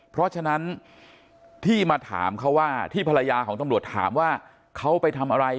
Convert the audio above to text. เพราะฉะนั้นที่มาถามเขาว่าที่ภรรยาของตำรวจถามว่าเขาไปทำอะไร